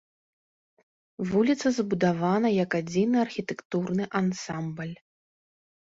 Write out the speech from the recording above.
Вуліца забудавана як адзіны архітэктурны ансамбль.